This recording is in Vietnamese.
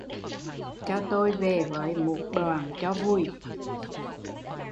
Cho tôi về với một đoàn cho vui